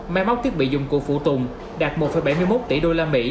mai móc thiết bị dùng cụ phụ tùng đạt một bảy mươi một tỷ usd